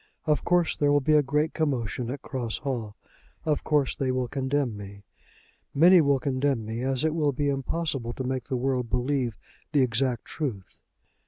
Of course there will be a great commotion at Cross Hall. Of course they will condemn me. Many will condemn me, as it will be impossible to make the world believe the exact truth."